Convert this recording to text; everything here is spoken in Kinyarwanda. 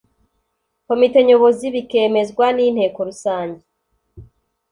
komite nyobozi bikemezwa n inteko rusange